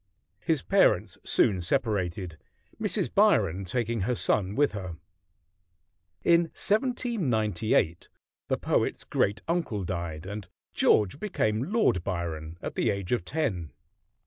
His parents soon separated, Mrs. Byron taking her son with her. In 1798 the poet's great uncle died, and George became Lord Byron at the age of ten.